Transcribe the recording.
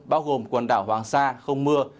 bao gồm quần đảo hoàng sa không mưa